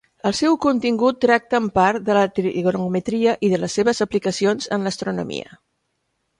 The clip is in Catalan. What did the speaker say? El seu contingut tracta en part de la trigonometria i de les seves aplicacions en l'astronomia.